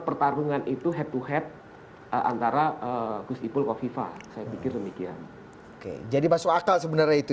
pertarungan itu head to head antara gus ipul kofifa saya pikir demikian oke jadi masuk akal sebenarnya itu